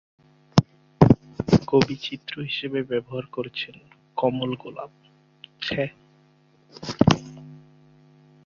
কবি চিত্র হিসেবে ব্যবহার করেছেন কমল গোলাপ। ছে।